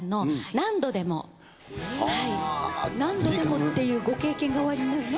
「何度でも」っていうご経験がおありになるの？